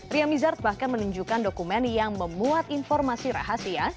ria mizard bahkan menunjukkan dokumen yang memuat informasi rahasia